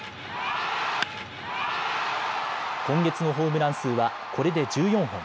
今月のホームラン数はこれで１４本。